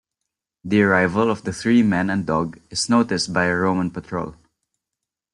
The arrival of the three men and dog is noticed by a Roman patrol.